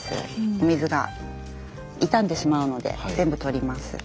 お水が傷んでしまうので全部取ります。